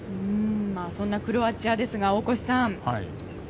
そんなクロアチアですが大越さん。